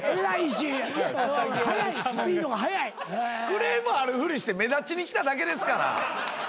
クレームあるふりして目立ちに来ただけですから。